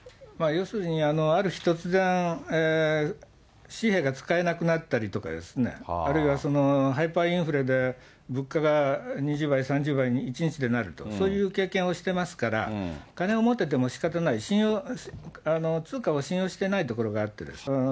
要するにある日突然、紙幣が使えなくなったりとかですね、あるいは、ハイパーインフレで物価が２０倍、３０倍に一日でなると、そういう経験をしてますから、金を持っててもしかたない、通貨を信用していないところがあってですね、